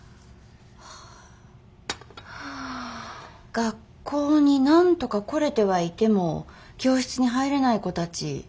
学校になんとか来れてはいても教室に入れない子たち。